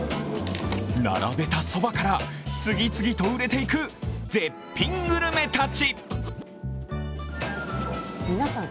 並べたそばから、次々と売れていく絶品グルメたち。